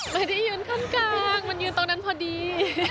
ไม่ได้ยืนข้างกลางมันยืนตรงนั้นพอดี